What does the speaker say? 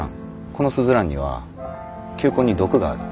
このスズランには球根に毒がある。